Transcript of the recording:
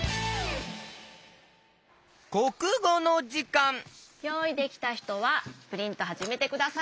こくごのじかんよういできたひとはプリントはじめてください。